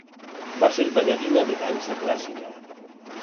Va ser ballarina de dansa clàssica.